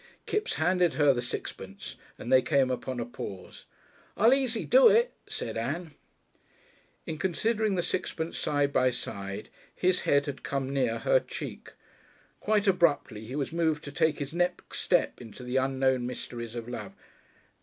Kipps handed her the sixpence, and they came upon a pause. "I'll easy do it," said Ann. In considering the sixpence side by side, his head had come near her cheek. Quite abruptly he was moved to take his next step into the unknown mysteries of love.